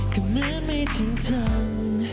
ก็เหมือนไม่จึงทัง